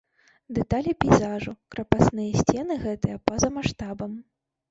Дэталі пейзажу, крапасныя сцены гэтыя па-за маштабам.